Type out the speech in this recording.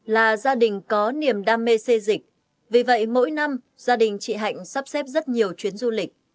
là gia đình có niềm đam mê xây dịch vì vậy mỗi năm gia đình chị hạnh sắp xếp rất nhiều chuyến du lịch